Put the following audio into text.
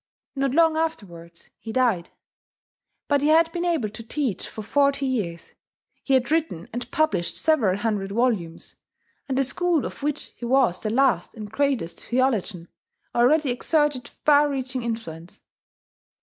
Not long afterwards he died. But he had been able to teach for forty years; he had written and published several hundred volumes; and the school of which he was the last and greatest theologian already exerted far reaching influence.